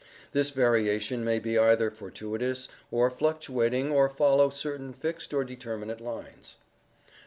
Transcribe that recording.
This variation may be either fortuitous or fluctuating or follow certain fixed or determinate lines.